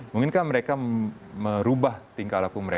mungkin kan mereka merubah tingkat laku mereka